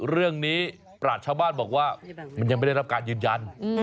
ปราศชาวบ้านบอกว่ามันยังไม่ได้รับการยืนยัน